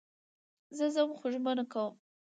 زه ځم خو ژمنه کوم